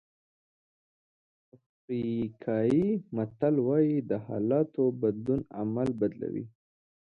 افریقایي متل وایي د حالاتو بدلون عمل بدلوي.